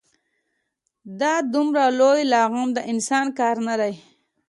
دا دومره لوی لغم د انسان کار نه دی.